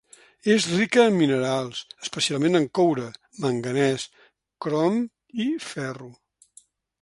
És rica en minerals, especialment en coure, manganès, crom, i ferro.